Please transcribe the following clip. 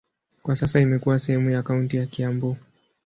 Kwa sasa imekuwa sehemu ya kaunti ya Kiambu.